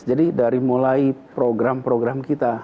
jadi dari mulai program program kita